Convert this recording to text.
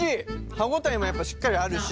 歯応えもやっぱしっかりあるし。